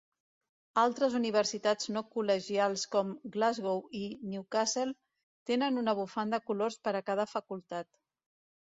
Altres universitats no col·legials com Glasgow i Newcastle tenen una bufanda colors per a cada facultat.